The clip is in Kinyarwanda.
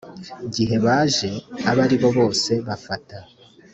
gihe abaje abo aribo bose bafata